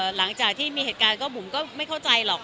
หลังจากที่มีเหตุการณ์ก็บุ๋มก็ไม่เข้าใจหรอก